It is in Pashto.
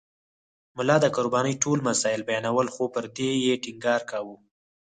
ملا د قربانۍ ټول مسایل بیانول خو پر دې یې ټینګار کاوه.